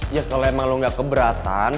ya kalau emang lo gak keberatan